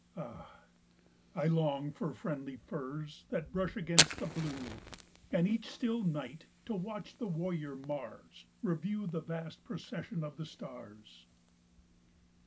Ah, I long For friendly firs that brush against the blue And each still night to watch the warrior Mars Review the vast procession of the stars